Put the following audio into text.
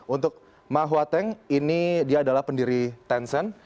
untuk mahuateng ini dia adalah pendiri tencent